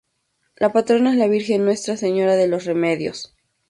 La patrona es la virgen Nuestra Señora de los Remedios.